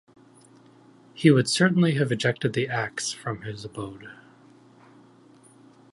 He would certainly have ejected the axe from his abode.